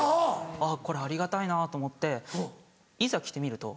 あっこれありがたいなと思っていざ着てみると。